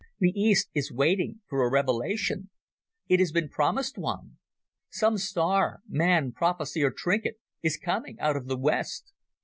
The East is waiting for a revelation. It has been promised one. Some star—man, prophecy, or trinket—is coming out of the West.